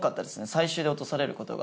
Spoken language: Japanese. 最終で落とされることが。